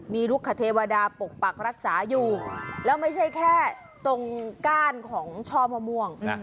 มีลูกขเทวดาปกปักรักษาอยู่แล้วไม่ใช่แค่ตรงก้านของช่อมะม่วง